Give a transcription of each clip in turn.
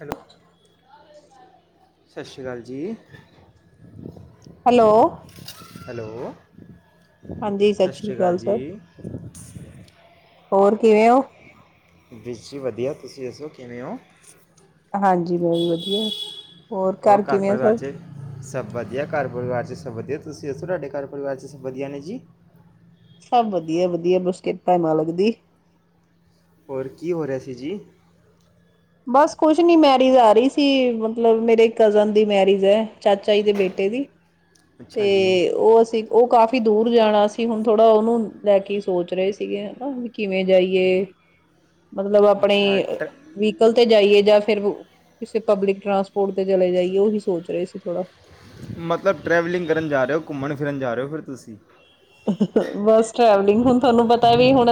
Hello ਸਤਿ ਸ਼੍ਰੀ ਅਕਾਲ ਜੀ ਹੈਲੋ ਹੈਲੋ ਹਾਂਜੀ, ਸਤਿ ਸ਼੍ਰੀ ਕਾਲ ਅਕਾਲ ਸਰ। ਜੀ। ਹੋਰ ਕਿਵੇਂ ਓ ਬਸ ਜੀ ਵਧੀਆ ਤੁਸੀਂ ਦੱਸੋ ਕਿਵੇਂ ਓ ਹਾਂਜੀ ਬੋ ਵਧੀਆ ਹੋਰ ਘਰ ਕਿਵੇਂ ਆ ਪਰਿਵਾਰ ਸਭ? ਚ ਸਭ ਵਧੀਆ ਘਰ ਪਰਿਵਾਰ ਚ ਵਧੀਆ ਤੁਸੀਂ ਦੱਸੋ ਤੁਹਾਡੇ ਘਰ ਪਰਿਵਾਰ 'ਚ ਸਭ ਵਧੀਆ ਨੇ ਜੀ ਸਭ ਵਧੀਆ ਵਧੀਆ ਬਸ ਕਿਰਪਾ ਮਾਲਕ ਦੀ। ਓਰ ਕੀ ਹੋ ਰਿਹਾ ਸੀ ਜੀ? ਬਸ ਕੁਛ ਨੀ ਮੈਰਿਜ ਆ ਰਹੀ ਸੀ ਮਤਲਬ ਮੇਰੇ ਕਜ਼ਨ ਦੀ ਮੈਰਿਜ ਐ, ਚਾਚਾ ਜੀ ਦੇ ਬੇਟੇ ਦੀ। ਤੇ ਅੱਛਾ ਜੀ ਓ ਅਸੀਂ, ਉਹ ਕਾਫੀ ਦੂਰ ਜਾਣਾ ਸੀ ਹੁਣ ਥੋੜਾ ਓਨੂੰ ਲੈ ਕੇ ਸੋਚ ਰਹੇ ਸੀਗੇ ਹਨਾ ਵੀ, ਕਿਵੇਂ ਜਾਈਏ? ਮਤਲਬ ਆਪਣੇ ਅੱਛਾ ਟਰ- ਵਹੀਕਲ ਤੇ ਜਾਈਏ ਜਾਂ ਫਿਰ, ਕਿਸੇ ਪਬਲਿਕ ਟਰਾਂਸਪੋਰਟ ਤੇ ਚਲੇ ਜਾਈਏ ਓਹੀ ਸੋਚ ਰਹੇ ਸੀ ਥੋੜਾ ਮਤਲਬ ਟਰੈਵਲਿੰਗ ਕਰਨ ਜਾ ਰਏ ਓ ਘੁੰਮਨ ਫਿਰਨ ਜਾ ਰਏ ਓ ਫਿਰ ਤੁਸੀਂ ਬਸ ਟਰੈਵਲਿੰਗ ਹੁਨ ਥਾਨੂੰ ਪਤਾ ਵੀ ਹੂਣ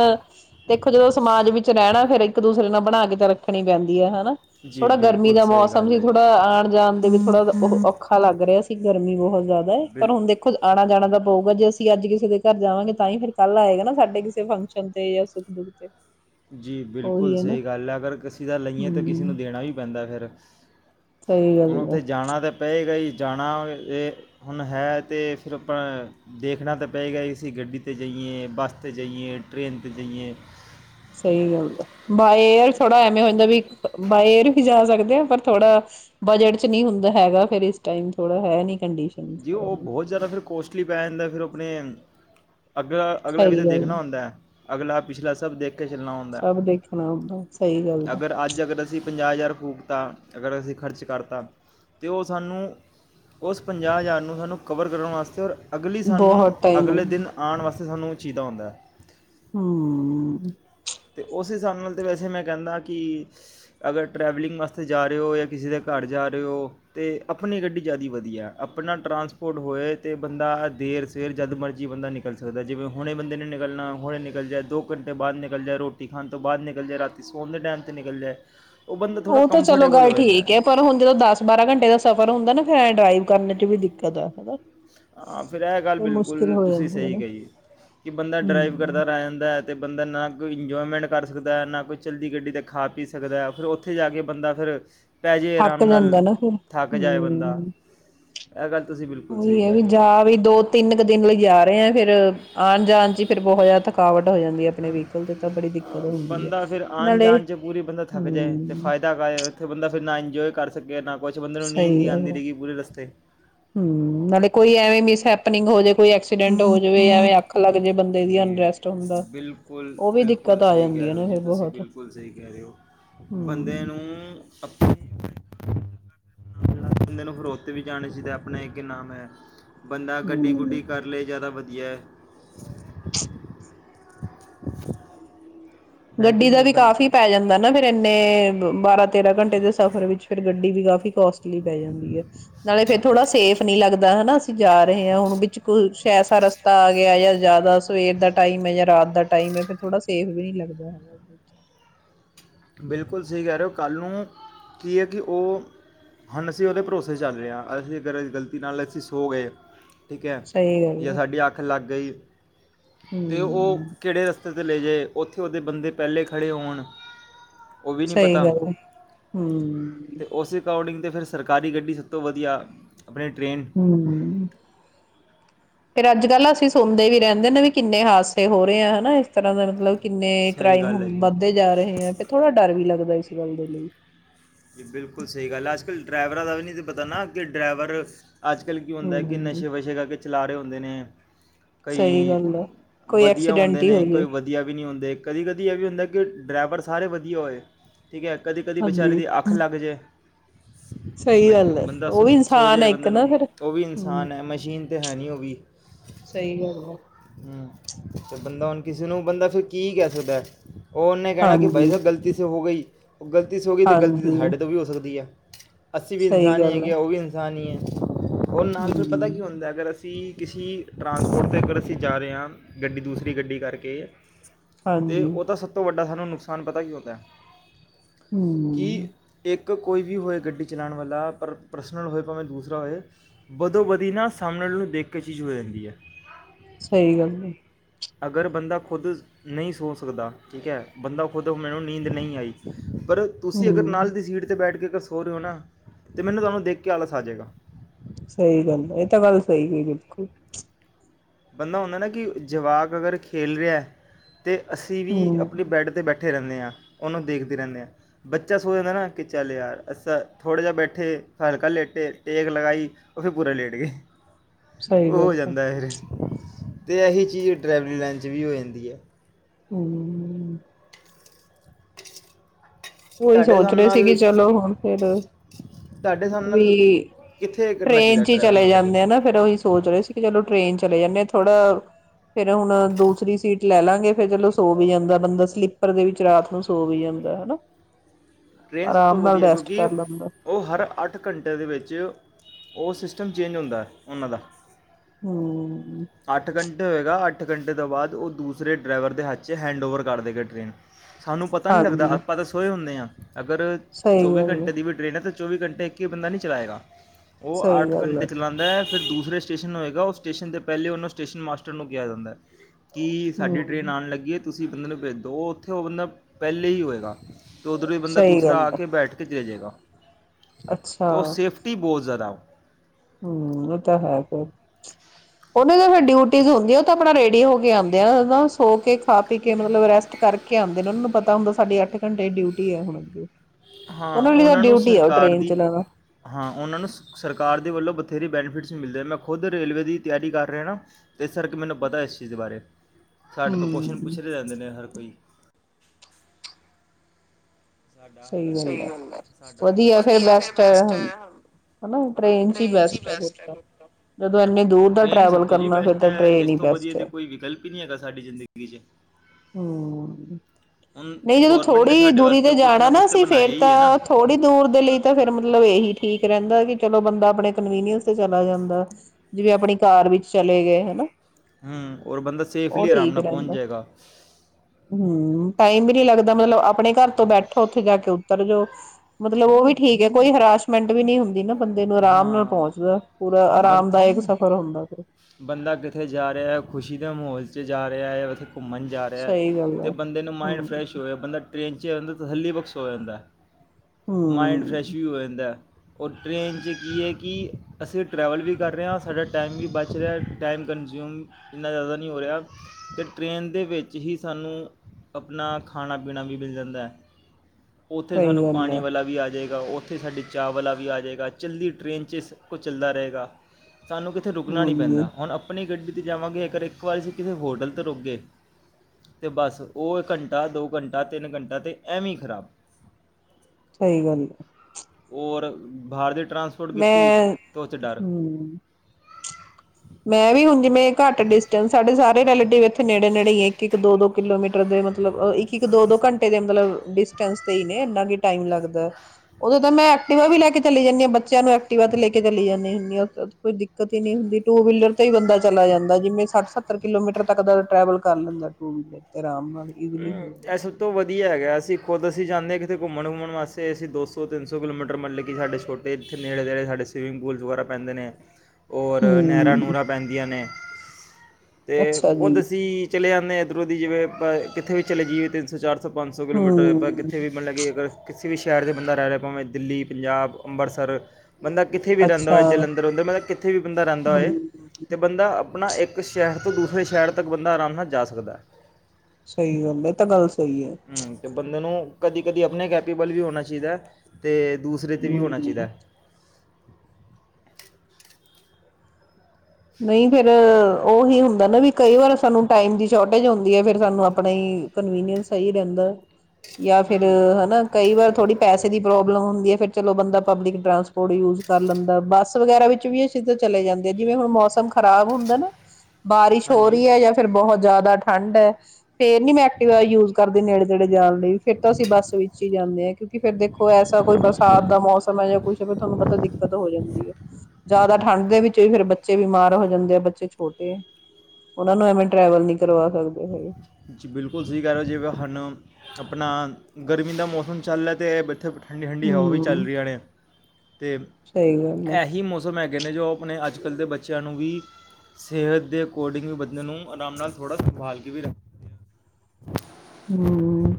ਦੇਖੋ ਜਦੋਂ ਸਮਾਜ ਵਿੱਚ ਰੈਣਾ ਫੇਰ ਇੱਕ ਦੂਸਰੇ ਨਾ ਬਣਾ ਕੇ ਤਾਂ ਰੱਖਣੀ ਪੈਂਦੀ ਐ ਹਨ ਜੀ ਥੋੜਾ ਗਰਮੀ ਬਿਲਕੁਲ ਦਾ ਸਹੀ ਮੌਸਮ ਗੱਲ ਸੀ, ਹੈ ਥੋੜਾ ਜੀ ਆਣ-ਜਾਣ ਦੇ ਵੀ ਥੋੜਾ ਔਖਾ ਲੱਗ ਰਿਆ ਸੀ। ਗਰਮੀ ਬੋਹ ਜ਼ਾ ਬਿਲ ਪਰ ਹੁਨ ਦੇਖੋ ਆਣਾ-ਜਾਣਾ ਦਾ ਹੋਓਗਾ ਜੇ ਅਸੀਂ ਅੱਜ ਕਿਸੇ ਦੇ ਘਰ ਜਾਵਾਂਗੇ ਤਾਂ ਹੀ ਫੇਰ ਕੱਲ ਆਏਗਾ ਨਾ ਸਾਡੇ ਕਿਸੇ ਫੰਕਸ਼ਨ ਤੇ ਜਾਂ ਸੁੱਖ-ਦੁੱਖ ਤੇ। ਜੀ ਬਿਲਕੁਲ ਉਹੀ ਹੈ ਨਾ ਸਹੀ ਗੱਲ ਐ, ਅਗਰ ਕਿਸੇ ਦਾ ਲਈਏ ਤਾਂ ਕਿਸੇ ਨੂੰ ਹੂੰ ਦੇਣਾ ਵੀ ਪੈਂਦਾ ਫਿਰ, ਸਹੀ ਗੱਲ ਹੁਣ ਹੈ ਉੱਥੇ ਜਾਣਾ ਤਾਂ ਪਏਗਾ ਹੀ। ਜਾਣਾ ਏ ਹੁਨ ਹੈ ਤੇ ਫਿਰ ਆਪਾ ਦੇਖਣਾ ਤਾਂ ਪਏਗਾ ਅਸੀਂ ਗੱਡੀ 'ਤੇ ਜਾਈਏ, ਬੱਸ 'ਤੇ ਜਾਈਏ, ਟ੍ਰਰੇਨ 'ਤੇ ਜਾਈਏ ਸਹੀ ਗੱਲ ਆ, ਬਾਏ ਏਅਰ ਥੋੜਾ ਐਵੇਂ ਹੁੰਦਾ ਵੀ ਬਾਏ ਏਅਰ ਵੀ ਜਾ ਸਕਦੇ ਅ, ਪਰ ਥੋੜਾ ਬਜਟ ਚ ਨਹੀ ਹੁੰਦਾ ਹੈਗਾ ਫੇਰ ਇਸ ਟਾਈਮ ਥੋੜਾ ਹੈ ਨੀ ਜੀ ਓਹ ਕੰਡੀਸ਼ਨ ਬਹੁਤ ਜਿਆਦਾ ਫਿਰ ਕੋਸਟਲੀ ਪੈ ਜਾਂਦਾ ਇ ਫਿਰ ਆਪਣੇ ਅਗ ਅਗਲਾ ਵੀ ਸਹੀ ਤਾਂ ਗੱਲ ਦੇਖਣਾ ਹੋਂਦਾ ਹੈ। ਅਗਲਾ ਪਿਛਲਾ ਸਭ ਦੇਖ ਕੇ ਚੱਲਣਾ ਹੁੰਦਾ ਸਭ ਦੇਖਣਾ ਹੁੰਦਾ ਸਹੀ ਗੱਲ ਐ ਅਗਰ ਅੱਜ ਅਗਰ ਅਸੀਂ ਪੰਜਾਹ ਹਜਾਰ ਫੂਕਤਾ ਅਗਰ ਅਸੀ ਖਰਚ ਕਰਤਾ ਤੇ ਓਹ ਸਾਨੂੰ ਉਸ ਪੰਜਾਹ ਹਜਾਰ ਨੂੰ ਸਾਨੂੰ ਕਵਰ ਕਰਨ ਵਾਸਤੇ ਔਰ ਅਗਲੀ ਸਾਨੂੰ ਬਹੁਤ ਟਾਈਮ ਅਗਲੇ ਦਿਨ ਆਣ ਵਾਸ ਸਾਨੂੰ ਚੀਦਾ ਹੋੰਦਾ ਹੈ ਹਮ ਤੇ ਓਸ ਹਿਸਾਬ ਨਾਲ ਤਾਂ ਵੈਸੇ ਮੈਂ ਕਹਿੰਦਾ ਕਿ ਅਗਰ ਟਰੈਵਲਿੰਗ ਵਸਤੇ ਜਾ ਰਹੇ ਓ ਯਾਂ ਕਿਸੀ ਦੇ ਘਰ ਜਾ ਰਹੇ ਓ ਤੇ ਆਪਣੀ ਗੱਡੀ ਜਿਆਦੀ ਵਧੀਆ ਏ, ਅਪਣਾ ਟਰਾਂਸਪੋਰਟ ਹੋਏ ਅਤੇ ਬੰਦਾ ਦੇਰ ਸਵੇਰ ਜਦ ਮਰਜੀ ਬੰਦਾ ਨਿਕਲ ਸਕਦਾ ਜਿਵੇਂ ਹੁਣੇ ਬੰਦੇ ਨੇ ਨਿਕਲਣਾ ਹੁਣੇ ਨਿਕਲ ਜਾਏ ਦੋ ਘੰਟੇ ਬਾਅਦ ਨਿਕ ਨਿਕਲ ਜਾਏ ਰੋਟੀ ਖਾਣ ਤੋਂ ਬਾਅਦ ਨਿਕਲ ਜਾਏ, ਰਾਤੀਂ ਸੋਣ ਦੇ ਟਾਈਮਤੇ ਨਿਕਲ ਜਾਏ ਉਹ ਬੰਦਾ ਥੋੜਾ ਓਹ ਤਾਂ ਚਲੋ ਕੰਫਰਟੇਬਲ ਗੱਲ ਹੋ ਜਾਂਦਾ ਠੀਕ ਹੈ ਪਰ ਹੁਣ ਜਦੋਂ ਦਸ ਬਾਰਾਂ ਘੰਟੇ ਦਾ ਸਫ਼ਰ ਹੁੰਦਾ ਨਾ ਫੇਰ ਏ ਡਰਾਈਵ ਕਰਨ ਚ ਵੀ ਦਿੱਕਤ ਆ ਪਤਾ ਹਾਂ ਫਿਰ ਇਹ ਗੱਲ ਬਿਲਕੁਲ ਤੁਸੀਂ ਜਾਂਦੀ ਹੈ ਸਹੀ ਨਾ ਕਹੀ ਕਿ ਬੰਦਾ ਡਰਾਈਵ ਕਰਦਾ ਹੂੰ ਰਹਿ ਜਾਂਦਾ ਏ ਅਤੇ ਬੰਦਾ ਨਾ ਕੋਈ ਇੰਜੋਏਮੈਂਟ ਕਰ ਸਕਦਾ ਨਾ ਕੋਈ ਚਲਦੀ ਗੱਡੀ 'ਤੇ ਖਾ ਪੀ ਸਕਦਾ ਫਿਰ ਓੱਥੇ ਜਾ ਕੇ ਬੰਦਾ ਫਿਰ ਪੈ ਜੇ ਆਰਾਮ ਥੱਕ ਨਾਲ ਜਾਂਦਾ ਨਾ ਫਿਰ ਥੱਕ ਜਾਏ ਬੰਦਾ ਹਂ ਇਹ ਗਲ ਤੁਸੀਂ ਬਿਲਕੁਲ ਸਹੀ ਕੈਹ ਜਾ ਵੀ ਦੋ ਤਿੰਨ ਕੁ ਦਿਨ ਲਈ ਜਾ ਰਹੇ ਆ ਫਿਰ ਆਉਣ ਜਾਣ ਚਇ ਫਿਰ ਬਹੁਤਜ਼ਯਾਦਾ ਥਕਾਵਟ ਹੋ ਜਾਂਦੀ ਹੈ, ਆਪਣੇ ਵਹੀਕਲ ਤੇ ਤਾਂ ਬੜੀ ਦਿੱਕਤ ਹੁੰਦੀ ਹੈ, ਬੰਦਾ ਫਿਰ ਆਉਣ ਨਾਲੇ ਜਾਣ ਚ ਪੂਰੀ ਬੰਦਾ ਥੱਕ ਜਾਏ ਤੇ ਹੂੰ ਫਾਇਦਾ ਕਾਯ ਉੱਥੇ ਬੰਦਾ ਫਿਰ ਨ ਇੰਜੋਏ ਕਰ ਸਕੇ ਨਾ ਬੰਦੇ ਨੂੰ ਨੀਂਦ ਹੀ ਸਹੀ ਗੱਲ ਆਉਂਦੀ ਹੈ। ਰਹੇਗੀ ਪੂਰੇ ਰਸਤੇ ਹੂੰ ਨਾਲੇ ਕੋਈ ਐਵੇਂਈ ਮਿਸਹੇੱਪਨਿੰਗ ਹੋ ਜੇ ਕੋਈ ਐਕਸੀਡੈਂਟ ਹੋ ਜਵੇ ਯਾਂ ਏਵੇ ਅੱਖ ਲੱਗ ਜੇ ਬੰ ਜੀ ਬਿਲਕੁਲ ਵੀ ਬਿਲਕੁਲ ਦਿੱਕਤ ਆ ਸਹੀ ਕਹਿ ਜਾਂਦੀ ਹੈ ਰਹੇ ਹੋ ਨਾ ਜੀ ਫਿਰ ਤੁਸੀਂ ਬਹੁਤ ਹੂੰ ਬਿਲਕੁਲ ਸਹੀ ਕਹਿ ਰਹੇ ਹੋ ਬੰਦੇ ਨੂੰ ਆਪਣੀ ਜਿ ਬੰਦੇ ਨੂੰ ਖਰੋਤੇ ਵੀ ਜਾਣੇ ਸੀ ਤੇ ਆਪਣੇ ਇੱਕ ਨਾਮ ਹੈ ਬੰਦਾ ਗੱਡੀ ਹੂੰ ਗੁੱਡੀ ਕਰ ਲਏ ਜਿਆਦਾ ਵਡ [unintelligible] [unintelligible] ਹੈ ਕਿ ਗੱਡੀ ਦਾ ਨਹੀਂ ਵੀ ਬੰ ਕਾਫ਼ੀ ਪੈ ਜਾਂਦਾ ਨਾ ਫੇਿਰ ਇਨ ਆਪਣੇ ਬਾਰਾਂ ਤੇਰਾਂ ਘੰਟੇ ਦੇ ਸਫ਼ਰ ਵਿੱਚ ਫਿਰ ਗੱਡੀ ਵੀ ਕਾਫ਼ੀ ਕੋਸਟਲੀ ਪੈ ਜਾਂਦੀ ਹੈ ਨਾਲੇ ਫੇਿਰ ਥੋੜਾ ਸੇਫ ਨੀ ਲੱਗਦਾ ਹਨਾ ਅਸੀਂ ਜਾ ਰਹੇ ਹਾਂ ਹੁਣ ਵਿੱਚ ਕੁ ਐਸਾ ਰਸਤਾ ਆ ਗਿਆ ਜਾਂ ਜ਼ਿਆਦਾ ਸਵੇਰ ਦਾ ਟਾਈਮ ਹੈ ਜਾਂ ਰਾਤ ਦਾ ਟਾਈਮ ਹੈ ਫਿਰ ਥੋੜਾ ਸੇਫ ਵੀ ਨੀ ਲੱਗਦਾ [unintelligible] ਬਿਲਕੁਲ ਸਹੀ ਕਹਿ ਰਹੇ ਹੋ ਕੱਲ੍ਹ ਨੂੰ ਕੀ ਹੈ ਕਿ ਓਹ ਹੁਨ ਅਸੀਂ ਉਹਦੇ ਭਰੋਸੇ ਚੱਲ ਰਹੇ ਹਾਂ ਅਸੀਂ ਅਗਰ ਗ਼ਲਤੀ ਨਾਲ ਅਸੀਂ ਸੋ ਗਏ ਠੀਕ ਐ, ਸਹੀ ਗੱਲ ਜੇ ਹੈ ਸਾਡੀ ਅੱਖ ਲੱਗ ਗਈ। ਤੇ ਓ ਹੂੰ ਕੇੜੇ ਰਸਤੇ ਉੱਥੇ ਤੇ ਲੇ ਜੇ ਉੱਥੇ ਓਦੇ ਬਂਦੇ ਪੈਲੇ ਖੜੇ ਹੋਨ ਸਹੀ ਗੱਲ ਆ, ਹੂੰ। ਫੇਰ ਸਰਕਾਰੀ ਗੱਡੀ ਸਭ ਤੋਂ ਵਦੀਆ ਹੂੰ। ਫੇਰ ਅੱਜ-ਕੱਲ ਅਸੀਂ ਸੁਨਦੇ ਵੀ ਰੈਂਦੇ ਨੇ ਵੀ ਕਿੰਨੇ ਹਾਦਸੇ ਹੋ ਰਹੇ ਆ ਹਨਾ ਇਸ ਤਰ੍ਹਾਂ ਦਾ ਮਤਲਬ ਕਿੰਨੇ ਸਹੀ ਕ੍ਰਾਈਮ ਹ ਗੱਲ ਹੈ ਜੀ ਵੱਧਦੇ ਜਾ ਰਹੇ ਆ ਤੇ ਥੋੜਾ ਡਰ ਵੀ ਲੱਗਦਾ ਇਸ ਗੱਲ ਦੇ ਲਈ ਜ ਬਿਲਕੁਲ ਸਹੀ ਗੱਲ ਐ, ਅੱਜ-ਕੱਲ ਡਰਾਈਵਰਾਂ ਦਾ ਵੀ ਨਹੀਂ ਤੇ ਪਤਾ ਨਾ ਕਿ ਡਰਾਈਵਰ ਅੱਜ-ਕੱਲ ਕੀ ਹੁੰਦਾ ਕਿ ਹਮ ਨਸ਼ੇ ਵਸ਼ੇ ਕਰਕੇ ਚਲਾ ਰਹੇ ਹੁੰਦੇ ਨੇ ਸਹੀ ਕਈ ਗੱਲ ਆ ਕੋਈ ਵਧੀਆ ਹੁੰਦੇ ਐਕਸੀਡੈਂਟ ਹੀ ਨੇ, ਹੋ ਜੇ ਕੋਈ ਵਧੀਆ ਵੀ ਨਹੀਂ ਹੁੰਦੇ ਕਦੀ ਕਦੀ ਇਹ ਵੀ ਹੁੰਦਾ ਕਿ ਡਰਾਈਵਰ ਸਾਰੇ ਵਧੀਆ ਹੋਏ ਠੀਕ ਐ, ਕਦੀ ਕਦੀ ਬੇਚਾਰੇ ਹਾਂਜੀ ਦੀ ਅ ਲੱਗਜੇ, ਸਹੀ ਬ ਗੱਲ ਹੈ ਬੰਦਾ ਸ ਉਹ ਵੀ ਸੋ ਇਨਸਾਨ ਜੇ ਹੈ ਇੱਕ ਬੰਦੇ ਨੂੰ ਨਾ ਫਿਰ ਓ ਵੀ ਹਮ ਇਨਸਾਨ ਐ, ਮਸ਼ੀਨ ਤੇ ਹੈ ਨੀ ਓਹ ਵੀ, ਸਹੀ ਗੱਲ ਆ ਹੂੰ। ਤੇ ਬੰਦਾ ਹੁਣ ਕਿਸੇ ਨੂੰ ਬੰਦਾ ਫਿਰ ਕੀ ਹਿ ਕਿਹ ਸਕਦਾ ਇ ਓਹਨੇ ਕਹਿਣਾ ਕਿ ਭਾਈ ਹਾਂਜੀ ਸਬ ਗਲਤੀ ਸੀ ਹੋ ਗਈ [unintelligible] ਓਹ ਗਲਤੀ ਸਿ ਹੋ ਗਈ ਤੇ ਗਲ ਹਾਂਜੀ ਸਾਡੇ ਤੋਂ ਵੀ ਹੋ ਸਕਦੀ ਏ ਅਸੀਂ ਵੀ ਸਹੀ ਇਨਸਾਨ ਇ ਗੱਲ ਹੈਗੇ ਆ, ਓਹ ਵੀ ਇਨਸਾਨ ਈ ਏ ਹੋਰ ਨਾਲ ਫੇਰ ਪਤਾ ਹਮ ਕੀ ਹੋਂਦਾ ਅਗਰ ਅਸੀਂ ਕਿਸੀ ਟਰਾਂਸਪੋਰਟ 'ਤੇ ਅਗਰ ਅਸੀਂ ਜਾ ਰਹੇ ਹਾਂ ਗੱਡੀ ਦੂਸਰੀ ਗੱਡੀ ਕਰਕੇ ਅਤੇ ਹਾਂਜੀ ਉਹ ਤਾਂ ਸਭ ਤੋਂ ਵੱਡਾ ਸਾਨੁ ਨੁਕਸਾਨ ਪਤਾ ਕੀ ਹੋਂਦਾ ਏ ਕੀ ਹਮ ਇੱਕ ਇੱਕ ਕੋਈ ਵੀ ਹੋਏ ਗੱਡੀ ਚਲਾਉਣ ਵਾਲਾ ਪਰ ਪਰਸਨਲ ਹੋਏ ਭਾਵੇਂ ਦੂਸਰਾ ਹੋਵੇ ਵਦੋ ਵੈਦੀ ਨਾ ਸਾਹਮਣੇ ਵਾਲੇ ਨੂੰ ਦੇਖ ਕੇ ਚੀਜ਼ ਹੋ ਜਾਂਦੀ ਏ ਸਹੀ ਗੱਲ ਹੈ ਅਗਰ ਬੰਦਾ ਖੁਦ ਨਹੀਂ ਸੋ ਸਕਦਾ ਠੀਕ ਹੈ, ਬੰਦਾ ਖੁਦ ਮੈਨੂੰ ਨੀਂਦ ਨਹੀਂ ਆਈ ਪਰ ਤੁਸੀਂ ਅਗਰ ਹਮ ਨਾਲ ਦੀ ਸੀਟ 'ਤੇ ਬੈਠ ਕੇ ਸੋ ਰੇ ਓ ਨਾ ਤੇ ਮੈਨੂੰ ਤੁਹਾਨੂੰ ਦੇਖ ਕੇ ਆਲਸ ਆ ਜੇਗਾ ਸਹੀ ਗੱਲ ਏ, ਇਹ ਤਾਂ ਗੱਲ ਸਹੀ ਕਹੀ ਬਿਲਕੁਲ ਬੰਦਾ ਹੁੰਦਾ ਨਾ ਕਿ ਜਵਾਕ ਅਗਰ ਖੇਲ ਰਿਆ ਅਤੇ ਅਸੀਂ ਵੀ ਹਮ ਆਪਨੇ ਬੈੱਡ ਤੇ ਬੈਠੇ ਕੱਠੇ ਰੇਂਦੇ ਆਂ ਔਨੂੰ ਦੇਖਦੇ ਰੇਂਨੇ ਆਂ ਬੱਚਾ ਸੋ ਜਾਂਦਾ ਨਾ ਕਿ ਚੱਲ ਯਾਰ ਅਸ ਥੋੜਾ ਜਿਹਾ ਬੈਠੇ ਹਲਕਾ ਲੇਟੇ ਟੇਕ ਲਗਾਈ ਔ ਫੇਰ ਪੂਰਾ ਲੇਟ ਗਏ ਸਹੀ ਔ ਗੱਲ ਹੋ ਹੈ ਜਾਂਦਾ ਐ ਫੇਰ ਤੇ ਐਹੀ ਚੀਜ਼ ਡਰੈਵਰੀ ਲੈਨ ਚ ਵੀ ਹੋ ਜਾਂਦੀ ਐ ਹੰ ਔਹੀ ਤੁਹਾਡੇ ਸੋਚ ਹਿਸਾਬ ਰਹੇ ਸੀ ਕਿ ਨਾਲ ਚਲੋ ਹੁਨ ਫੇਰ ਤੁਹਾਡੇ ਹਿਸਾਬ ਵੀ ਨਾਲ ਕਿੱਥੇ ਕਰਨਾ ਟ੍ਰੇਨ ਚਾਹੀਦਾ ਚ ਹੀ ਟਰੈਵਲ ਚਲੇ ਮਤਲਬ ਕਿ ਜਾਂਨੇ ਆਂ ਨਾ ਫੇਰ ਔਈ ਸੋਚ ਰਏ ਸੀ ਚਲੋ ਟ੍ਰੇਨ ਚ ਚਲੇ ਜਾਂਦੇ ਆਂ ਥੋੜਾ ਫੇਰ ਹੁਣ ਦੂਸਰੀ ਸੀਟ ਲੈ ਲਾਂਗੇ ਫੇਰ ਚਲੋ ਸੌ ਵੀ ਜਾਂਦਾ ਬੰਦਾ ਸਲੀਪਰ ਦੇ ਵਿੱਚ ਰਾਤ ਨੂੰ ਸੌ ਵੀ ਜਾਂਦਾ ਹਨਾ ਟ੍ਰੇਨ ਸਭ ਤੋਂ ਆਰਾਮ ਨਾਲ ਵਧੀਆ ਰੈਸਟ ਕਿਉਂਕਿ ਕਰ ਲੈਂਦਾ ਔਹ ਹਰ ਅੱਠ ਘੰਟੇ ਦੇ ਵਿੱਚ ਔਹ ਸਿਸਟ ਸਟਮ ਚੇਂਜ ਹੁੰਦਾ ਔਨਾਂ ਦਾ ਹੰ ਅੱਠ ਘੰਟੇ ਹੋਏਗਾ ਅੱਠ ਠ ਘੰਟੇ ਤੋਂ ਬਾਅਦ ਉਹ ਦੂਸਰੇ ਡਰਾਈਵਰ ਦੇ ਹੱਥ 'ਚ ਹੈਂਡਔਵਰ ਕਰ ਦਏਗਾ ਟ੍ਰੇਨ ਸਾਨੂੰ ਪਤਾ ਨੀ ਲੱਗਦਾ ਹਾਂਜੀ ਆਪਾਂ ਤਾਂ ਸੋਏ ਹੁੰਦੇ ਆਂ ਅਗਰ ਸਹੀ ਚੌਵੀ ਗੱਲ ਹੈ ਘੰਟੇ ਦੀ ਵੀ ਟ੍ਰੇਨ ਐ ਤੇ ਚੌਵੀ ਘੰਟੇ ਇੱਕ ਈ ਬੰਦਾ ਨਈ ਚਲਾਏਗਾ। ਔ ਸਹੀ ਅੱਠ ਗੱਲ ਘੰਟੇ ਹੈ ਚਲਾਦੈ ਫਿਰ ਦੂਸਰੇ ਸਟੇਸ਼ਨ ਹੋਏਗਾ ਉਸ ਸਟੇਸ਼ਨ ਦੇ ਪੈਲੇ ਓਨੂੰ ਸਟੇਸ਼ਨ ਮਾਸਟਰ ਨੂੰ ਕੇਆ ਜਾਂਦਾ ਕੀ ਸਾਡੀ ਟਰੇਨ ਹਮ ਆਣ ਲੱਗੀ ਏ। ਤੁਸੀਂ ਬੰਦੇ ਨੂੰ ਭੇਜ ਦੋ, ਉੱਥੇ ਓ ਬੰਦਾ ਪੈਲੇ ਹੀ ਹੋਏਗਾ। ਉਧਰੋਂ ਹੀ ਬੰਦਾ ਸਹੀ ਦੂਸਰਾ ਗੱਲ ਆ ਹੈ ਕੇ ਬੈਠ ਕੇ ਦੇ ਜੇਗਾ। ਅੱਛਾ ਤੋ ਸੇਫਟੀ ਬੋ ਜ਼ਰਾਓ। ਹੂੰ, ਉਹ ਤਾਂ ਹੈ ਫੇਰ, ਓਨੇ ਦੀ ਫੇਰ ਡਿਊਟੀਜ਼ ਹੁੰਦੀ ਐ, ਓ ਤਾਂ ਆਪਨਾ ਰੈਡੀ ਹੋ ਕੇ ਆਂਦੇ ਆ ਨਾ ਸੋ ਕੇ ਖਾ ਪੀ ਕੇ, ਮਤਲਬ ਰੈਸਟ ਕਰਕੇ ਕੇ ਆਂਦੇ ਨੇ, ਉਨਾ ਨੂੰ ਪਤਾ ਹੁੰਦਾ ਸਾਡੀ ਅੱਠ ਘੰਟੇ ਡਿਊਟੀ ਹੈ ਹੁਣ ਅੱਗੇ ਹਾਂ, ਉਹਨਾਂ ਲਈ ਤਾਂ ਉਨਾਂ ਨੂੰ ਡਿਊਟੀ ਆ ਉਹ ਸਰਕਾਰ ਟ੍ਰੇਨ ਦੀ, ਚਲਾਉਣਾ ਹਾਂ, ਓਨਾਂ ਨੂੰ ਸਰਕਾਰ ਦੇ ਵੱਲੋਂ ਬਥੇਰੀ ਬੈਨੀਫਿਟਸ ਮਿਲਦੇ ਮੈਂ ਖੁਦ ਰੇਲਵੇ ਦੀ ਤਿਆਰੀ ਕਰ ਰਿਆ ਨਾ ਤੇ ਸਰ ਕ ਮੈਨੂੰ ਪਤਾ ਇਸ ਚੀਜ ਦੇ ਬਾਰੇ। ਸਾਡੇ ਤੋਂ ਕੁਸ਼ਚਨ ਪੁੱਛ ਹਮ ਰੇ ਰੈਂਦੇ ਨੇ ਹਰ ਬਈ। ਸਾਡਾ ਹੈਗਾ, ਸਹੀ ਗੱਲ ਹੈ ਸਾਡਾ ਹੈਗਾ, ਵਧੀਆ ਫੇਰ ਬੈਸਟ ਹੈ ਹਨਾ ਟ੍ਰੇਨ ਚ ਹੀ ਬੈਸਟ ਹੈ ਫਿਰ ਤਾਂ ਜਦੋਂ ਇੰਨੇ ਦੂਰ ਦਾ ਟ੍ਰੇਨ ਸਬ ਟਰੈਵਲ ਤੋ ਜੀ ਕਰਨਾ ਫਿਰ ਬੈਸਟ ਤਾਂ ਐ, ਟ੍ਰੇਨ ਇਸ ਹੀ ਤੋਂ ਵਦੀਆ ਬੈਸਟ ਤੇ ਹੈ ਕੋਈ ਵਿਕਲਪ ਹੀ ਨੀ ਹੈਗਾ ਸਾਡੀ ਜ਼ਿੰਦਗੀ ਚ। ਹਮ ਹੁਨ ਗੋਰਮੇਂਟ ਨੇ ਸਾਡੇ ਵਾਸ ਨਾ ਨਾ ਅਸੀਂ ਫੇਰ ਤਾਂ ਥੋੜੀ ਦੂਰ ਦੇ ਲਈ ਤਾਂ ਫੇਰ ਮਤਲਬ ਇਹੀ ਠੀਕ ਰਹਿੰਦਾ ਕਿ ਚਲੋ ਬੰਦਾ ਆਪਣੇ ਕਨਵੀਨੀਅੰਸ ਤੇ ਚਲਾ ਜਾਂਦਾ ਜਿਵੇਂ ਆਪਣੀ ਕਾਰ ਵਿੱਚ ਚਲੇ ਗਏ ਹੇਨਾ ਹਮ ਔਰ ਬੰਦਾ ਸੇਫਲੀ ਆਰਾਮ ਨਾਲ ਪਹੁੰਚ ਰਹਿੰਦਾ ਜਾਏਗਾ ਹਮ ਟਾਈਮ ਵੀ ਨਹੀਂ ਲੱਗਦਾ ਮਤਲਬ ਆਪਣੇ ਘਰ ਤੋਂ ਬੈਠ ਓੱਥੇ ਜਾ ਕੇ ਉੱਤਰ ਜੋ ਮਤਲਬ ਉਹ ਵੀ ਠੀਕ ਹੈ ਕੋਈ ਹਰਾਸ਼ ਮਿੰਟ ਵੀ ਨਹੀਂ ਹੁੰਦੀ ਨਾ ਬੰਦੇ ਨੂੰ ਆਰਾਮ ਹਾਂ ਨਾਲ ਪਹੁੰਚਦਾ ਪੂਰਾ ਬੰ ਆਰਾਮਦਾਇਕ ਸਫ਼ਰ ਹੁੰਦਾ ਫੇਰ ਬੰਦਾ ਕਿੱਥੇ ਜਾ ਰਿਹਾ ਹੈ ਖੁਸ਼ੀ ਦੇ ਮਾਹੌਲ 'ਚ ਜਾ ਰਿਹਾ ਹੈ ਓਥੇ ਘੁੰਮਣ ਜਾ ਰਿਹਾ ਗੱਲ ਤੇ ਹੈ ਬੰਦੇ ਨੂੰ ਮਾਇੰਡ ਹਮ ਫਰੈਸ਼ ਹੋਇਆ ਬੰਦਾ ਟ੍ਰੇਨ 'ਚ ਜਾਂਦਾ ਹੱਲੀ ਬਖਸ਼ ਸੋ ਜਾਂਦਾ ਏ ਮਾਇਾਈੰਡ ਹਮ ਫਰੈਸ਼ ਵੀ ਹੋਆਂਦਾ ਏ ਔਰ ਟ੍ਰੇਨ 'ਚ ਕੀ ਹੈ ਕਿ ਅਸੀਂ ਟਰੈਵਲ ਵੀ ਕਰ ਰਹੇ ਹਾਂ ਸਾਡਾ ਟਾਈਮ ਵੀ ਬਚ ਰਿਹਾ ਟਾਈਮ ਕੰਨਜ਼ਊਮ ਇੰਨਾ ਜ਼ਿਆਦਾ ਨਹੀਂ ਹੋ ਰਿਹਾ ਫਿ ਟ੍ਰੇਨ ਦੇ ਵਿੱਚ ਹੀ ਸਾਨੂੰ ਆਪਣਾ ਖਾਣਾ ਪੀਣਾ ਵੀ ਮਿਲ ਜਾਂਦਾ ਏ ਉੱਥੇ ਸਹੀ ਸਾਨੂੰ ਗੱਲ ਪਾਣੀ ਵਾਲਾ ਵੀ ਆ ਜਾਏ ਤਾਂ ਉੱਥੇ ਸਾਡੀ ਚਾਹ ਵਲਾ ਵੀ ਆ ਜੈਗਾ ਚਲਦੀ ਟਰੇਨ 'ਚ ਸਭ ਕੁ ਚੱਲਦਾ ਰਹੇਗਾ ਸਾਨੂੰ ਕਿੱਥੇ ਰੁਕਣਾ ਨਹੀਂ ਹਾਂਜੀ ਪੈਂਦਾ ਹੁਣ ਆਪਣੀ ਗੱਡੀ ਜਾਵਾਂਗੇ ਅਗਰ ਇੱਕ ਵਾਰੀ ਅਸੀਂ ਕਿਸੇ ਹੋਟਲ 'ਤੇ ਰੁਕ ਗਏ ਤਾਂ ਬਸ ਉਹ ਘੰਟਾ ਦੋ ਘੰਟਾ ਤਿੰਨ ਘੰਟਾ ਤੇਂ ਐਵੇਂ ਹੀ ਖ਼ਰਾਬ ਸਹੀ ਗੱਲ ਏ ਔਰ ਬਾਹਰ ਦੇ ਟ੍ਰਾਂਸਪੋਰਟ ਕੀਤੀ ਮੈਂ ਤੁੋਚੇ' ਡਰ ਹਮ ਮੈਂ ਵੀ ਹੁਣ ਜਿਵੇਂ ਘੱਟ ਡਿਸਟੈਂਸ ਸਾਡੇ ਸਾਰੇ ਰੀਲੈਟੀਵ ਏੱਥੇ ਨੇੜੇ ਨੇੜੇ ਈਂਏ ਇੱਕ ਇੱਕ ਦੋ ਦੋ ਕਿਲੋਮੀਟਰ ਦੇ ਮਤਲਬ ਇੱਕ ਇੱਕ ਦੋ ਦੋ ਘੰਟੇ ਦੇ ਡੀਸਟਂਸ ਤੇਇਨੇ ਇਨਾ ਕਿ ਟਾਇਮ ਲੱਗਦਾ ਏ, ਓਦੈ ਤਾਂ ਮੈਂ ਐਕਟਵਾ ਵੀ ਲੈ ਕੇ ਚਲੀ ਜਾਂਦੀ ਆ ਬੱਚਿਆਂ ਨੂੰ ਐਕਟੀਿਵਾ ਤੇ ਲੈ ਕੇ ਚਲੀ ਜਾਂਦੀ ਹੁੰਦੀ ਆ ਤਦ ਕੋਈ ਦਿੱਕਤ ਹੀ ਨਹੀਂ ਹੁੰਦੀ ਟੂ ਵੀਲਰ ਤੇ ਹੀ ਬੰਦਾ ਚਲਾ ਜਾਂਦਾ ਜਿਵੇਂ ਸੱਠ ਸੱਤਰ ਕਿਲੋਮੀਟਰ ਤੱਕ ਦਾ ਟਰੈਵਲ ਕਰ ਲੈਂਦਾ ਟੂ ਵੀਲਰ ਤੇ ਆਰਾਮ ਨਾਲ ਈਜ਼ਲੀ ਹੋ ਇਹ ਜਾਂਦਾ। ਸਭ ਤੋਂ ਵਧੀਆ ਹੈਗਾ ਅਸੀਂ ਖੁਦ ਅਸੀਂ ਜਾਂਦੇ ਹ ਘੁੰਮਣ ਵੁੰਮਣ ਵਾਸਤੇ ਅਸੀਂ ਦੋਸੌ ਤਿੰਨ ਸੌ ਕਿੋਲੋਮੀਟਰ ਮਲ੍ਹਕੇ ਸਾਡੇ ਸਕੂਟਰ ਏਥੇ ਨੇੜੇ ਤੇਡੇ ਸਾਡੇ ਸਵੀਮਿੰਗਪੂਲ ਦਵਾਰਾ ਪੈਂਦੇ ਨੇ ਔਰ ਨਹਿਰਾਂ ਹੂੰ ਨੂਰਾਂ ਪੈਂਦੀਆਂ ਨੇ ਤੇ ਅੱਛਾ ਉਹ ਜੀ ਦਸੀ ਚਲੇ ਜਾਂਦੇ ਇੱਧਰੋਂ ਦੀ ਜਿਵੇਂ ਆਪਾਂ ਕਿੱਥੇ ਵੀ ਚਲੇ ਜਈਏ ਤਿੰਨ ਸੌ ਚਾਰ ਸੌ ਪੰਜ ਸੌ ਕਿਲੋਮੀਟਰ ਆਪਾਂ ਹੂੰ ਕਿੱਥੇ ਵੀ [unintelligible] ਕਿਸੇ ਵੀ ਸ਼ਹਿਰ ਦੇ ਬੰਦਾ ਰਹਿ ਲੈ ਪਾਵੇਂ ਦਿੱਲੀ ਪੰਜਾਬ ਅੰਮਬਰਸਰ ਬੰਦਾ ਕਿੱਥੇ ਵੀ ਰਹਿੰਦਾ ਅੱਛਾ ਹੋਏ ਜਲੰਧਰ ਰਂਦਰ ਮਤਲਬ ਕਿੱਥੇ ਵੀ ਬੰਦਾ ਰਹਿੰਦਾ ਹੋਵੇ ਹੂੰ ਤੇ ਬੰਦਾ ਣਾ ਇੱਕ ਸ਼ਹਿਰ ਤੋਂ ਦੂਸਰੇ ਸ਼ਹਿਰ ਤੱਕ ਬੰਦਾ ਆਰਾਮ ਨਾਲ ਜਾ ਸਕਦਾ ਏ ਸਹੀ ਗੱਲ ਹੈ, ਏ ਤਾਂ ਗੱਲ ਸਹੀ ਹੈ ਹਮ, ਤੇ ਬੰਦੇ ਨੂੰ ਕਦੀ ਕਦੀ ਆਪਣੇ ਕੈਪੇਬਲ ਵੀ ਹੋਣਾ ਚਾਹੀਦਾ ਤੇ ਦੂਸਰੇ 'ਤੇ ਵੀ ਹੋਣਾ ਹੂੰ ਚੀਦਾ ਏ ਨਹੀਂ ਫਿਰ ਓਹੀ ਹੁੰਦਾ ਨਾ ਵੀ ਕਈ ਵਾਰ ਸਾਨੂੰ ਟਾੲਇਮ ਦੀ ਸ਼ੋਟੇਜ ਆਉਂਦੀ ਹੈ ਫਿਰ ਸਾਨੂੰ ਆਪਣਾ ਹੀ ਕਨਵੀਨੀਸ ਸਹੀ ਰਹਿੰਦਾ ਏ ਯਾਂ ਫਿਰ ਹੂੰ ਹਨਾ ਕਈ ਵਾਰ ਥੋੜ੍ਹੀ ਪੈਸੇ ਦੀ ਪ੍ਰੋਬਲਮ ਹੁੰਦੀ ਹੈ ਫਿਰ ਬੰਦਾ ਪਬਲਿਕ ਟਰਾਂਸਪੋਰਟ ਯੂਜ਼ ਕਰ ਲੈਂਦਾ ਬੱਸ ਵਗੈਰਾ ਵਿੱਚ ਵੀ ਅਸਿ ਧ ਚਲੇ ਜਾਂਦੇ ਜਿਵੇਂ ਹੁਣ ਮੌਸਮ ਖ਼ਰਾਬ ਹੁੰਦਾ ਨਾ ਬਾਰਿਸ਼ ਹੋ ਹਾਂਜੀ ਰਹੀ ਹੈ ਯਾਂ ਫਿਰ ਬਹੁਤ ਜਿਆਦ ਜ਼ਿਆਦਾ ਠੰਢ ਏ ਫੇਰ ਨੀ ਮੈ ਐਕਟਿਵਾ ਯੂਜ ਕਰਦੀ ਨੇੜੇ ਤੇੜੇ ਜਾਣ ਲਈ ਫੇਰ ਤਾਂ ਅਸੀਂ ਬੱਸ ਵਿੱਚ ਹੀ ਜਾਂਦੇ ਹਾਂ ਕਿਉਂਕਿ ਫੇਰ ਦੇਖੋ ਐਸਾ ਕੋਈ ਬਰਸਾਤ ਦਾ ਮੌਸਮ ਹੈ ਜਾਂ ਕੁੱਛ ਫਿਰ ਤੁਹਾਨੂੰ ਪਤਾ ਦਿੱਕਤ ਹੋ ਜਾਂਦੀ ਹੈ ਜ਼ਿਆਦਾ ਠੰਢ ਦੇ ਵਿੱਚ ਹੀ ਫੇਿਰ ਬੱਚੇ ਬੱਚੇ ਬਿਮਾਰ ਹੋ ਜਾਂਦੇ ਆ ਬੱਚੇ ਛੋਟੇ ਏ ਉਹਨਾਂ ਨੂੰ ਐਵੇਂ ਟਰੈਵਲ ਨਹੀਂ ਕਰਵਾ ਸਕਦੇ ਫੇਰ ਜੀ ਬਿਲਕੁਲ ਸਹੀ ਕਹਿ ਰਹੇ ਹੋ ਜੇਵੇ ਸਾਨੂੰ ਆਪਣਾ ਗਰਮੀ ਦਾ ਮੌਸਮ ਚੱਲਆ ਤਾਂ ਇਹ ਬੈਠੇ ਬਿਠਾ ਠੰਡੀ ਠੰਡੀ ਹਵਾ ਵੀ ਚੱਲ ਹੂੰ, ਰੀਆਂ ਨੇ ਅਤੇ ਸਹੀ ਗੱਲ ਆ। ਐ ਹੀ ਮੌਸਮ ਹੈ ਕੈੰਦੇ ਜੋ ਓਹ ਆਪਣੇ ਅੱਜ ਕੱਲ੍ਹ ਦੇ ਬੱਚਿਆਂ ਨੂੰ ਵੀ ਸਿਹਤ ਦੇ ਅਕੋਰਡਿੰਗ ਵੀ ਬਂਦੇ ਨੂੰ ਆਰਾਮ ਨਾਲ ਥੋੜ੍ਹਾ ਸੰਭਾਲ ਕੇ ਵੀ ਰੱਖ ਹਮ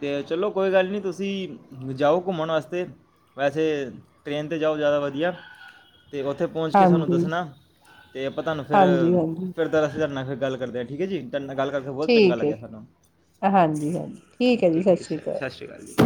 ਤੇ ਚਲੋ ਕੋਈ ਗੱਲ ਨਹੀਂ ਤੁਸੀਂ ਜਾਓ ਘੁੰਮਣ ਵਾਸਤੇ ਵੈਸੇ ਟ੍ਰੇਨ 'ਤੇ ਜਾਓ ਜ਼ਿਆਦਾ ਵਧੀਆ ਤੇ ਉੱਥੇ ਪਹੁੰਚ ਕੇ ਸਾਨੂੰ ਹਾਂਜੀ। ਦੱਸਣਾ, ਤੇ ਆਪਾਂ ਤੁਹਾਨੂੰ ਫਿਰ ਹਾਂਜੀ-ਹਾਂਜੀ, ਫਿਰ ਦਰਖ ਕਰਨਾ ਫਿਰ ਗੱਲ ਕਰਦੇ ਆ ਠੀਕ ਹੈ ਜੀ ਕਰਕੇ ਬਹੁਤ ਚੰਗਾ ਠੀਕ ਹੇ ਲੱਗਿਆ ਸਾਨੂੰ ਹਾਂਜੀ ਹਾਂਜੀ ਠੀਕ ਹੈ ਠੀਕ ਹੈ ਸ ਸਤਿ ਸ਼੍ਰੀ ਅਕਾਲ ਜੀ